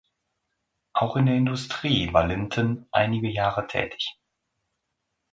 Auch in der Industrie war Linton einige Jahre tätig.